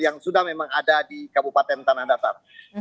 yang sudah memang ada di kabupaten tanah datar